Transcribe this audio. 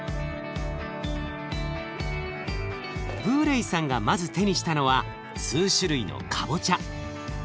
ブーレイさんがまず手にしたのは数種類のかぼちゃ。